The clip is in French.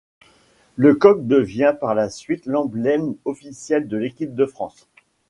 Le coq devient par la suite l'emblème officiel de l'équipe de France.